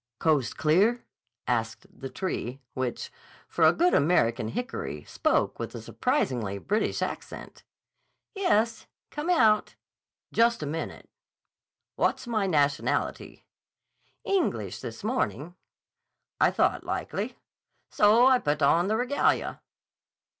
"Coast clear?" asked the tree, which, for a good American hickory, spoke with a surprisingly British accent. "Yes. Come out." "Just a minute. What's my nationality?" "English, this morning." "I thought likely. So I put on the regalia."